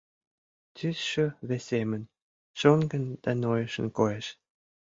Тӱсшӧ весемын, шоҥгын да нойышын коеш.